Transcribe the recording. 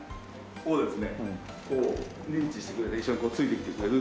そうですよね。